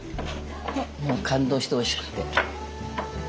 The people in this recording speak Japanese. もう感動しておいしくて。